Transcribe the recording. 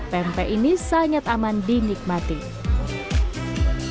terima kasih el profesional k min listeners elaborati keberhianannya